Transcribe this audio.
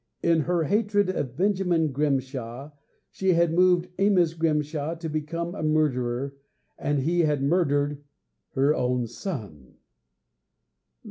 In her hatred of Benjamin Grimshaw, she had moved Amos Grimshaw to become a murderer, and he had murdered _her own son!